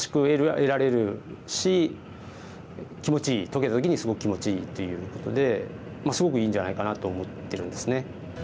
解けた時にすごく気持ちいいということですごくいいんじゃないかなと思ってるんですね。